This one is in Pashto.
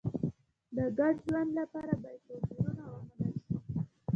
د ګډ ژوند لپاره باید توپیرونه ومنل شي.